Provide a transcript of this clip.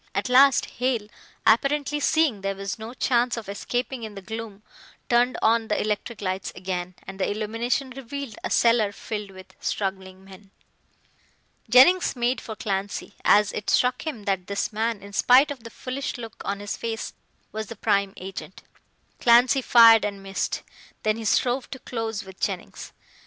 At last Hale, apparently seeing there was no chance of escaping in the gloom, turned on the electric lights again, and the illumination revealed a cellar filled with struggling men. Jennings made for Clancy, as it struck him that this man, in spite of the foolish look on his face, was the prime agent. Clancy fired and missed. Then he strove to close with Jennings.